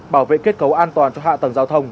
bảo vệ kết cấu an toàn cho hạ tầng giao thông